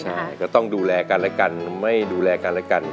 ใช่ก็ต้องดูแลกันและกันไม่ดูแลกันและกัน